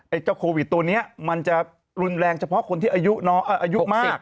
เจ้าโควิดตัวนี้มันจะรุนแรงเฉพาะคนที่อายุมาก